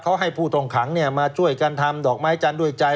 เขาให้ผู้ต้องขังมาช่วยกันทำดอกไม้จันทร์ด้วยใจ